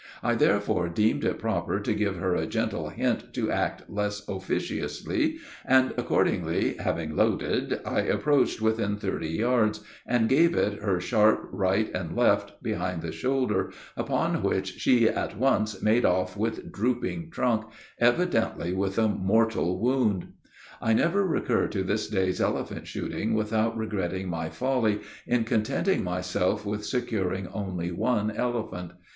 I therefore deemed it proper to give her a gentle hint to act less officiously, and, accordingly, having loaded, I approached within thirty yards, and give it her sharp, right and left, behind the shoulder, upon which she at once made off with drooping trunk, evidently with a mortal wound. I never recur to this day's elephant shooting without regretting my folly in contenting myself with securing only one elephant.